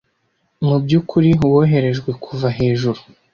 Mubyukuri woherejwe kuva hejuru ...